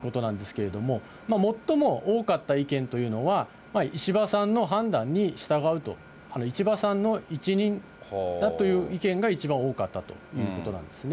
派閥の会合では、まず各議員一人一人が自分の意見を述べたということなんですけれども、最も多かった意見というのは、石破さんの判断に従うと、石破さんの一任だという意見が一番多かったということなんですね。